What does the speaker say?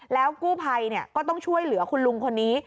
แล้วกู้ภัยก็ต้องช่วยเหลือคุณลุงคนนี้